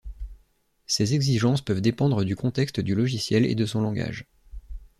Ces exigences peuvent dépendre du contexte du logiciel et de son langage.